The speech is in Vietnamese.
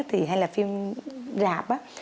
hay là phim rạp